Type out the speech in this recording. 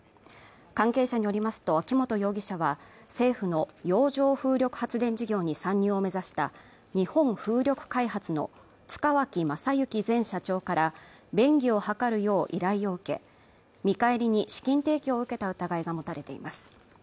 関係者によりますと秋本容疑者は政府の洋上風力発電事業に参入を目指した日本風力開発の塚脇正幸前社長から便宜を図るよう依頼を受け見返りに資金提供を受けた疑いが持たれています